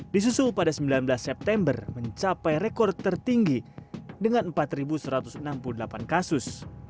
disusul pada sembilan belas september mencapai rekor tertinggi dengan empat satu ratus enam puluh delapan kasus